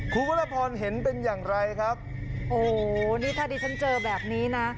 ครูก็ละพอลเห็นเป็นอย่างไรครับโหนี่ท่านดิฉันเจอแบบนี้นะ